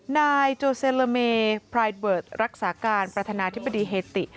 นายโจเซลเมพรายเบิร์ตรักษาการประธานาธิบดีเฮติ